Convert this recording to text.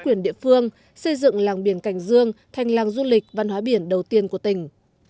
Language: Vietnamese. quyền địa phương xây dựng làng biển cảnh dương thành làng du lịch văn hóa biển đầu tiên của tỉnh